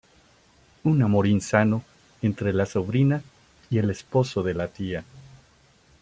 Un amor insano entre la sobrina y el esposo de la tía.